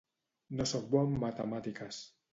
No soc bo en Matemàtiques.